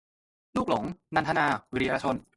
ลูกหลง - นันทนา วีระชน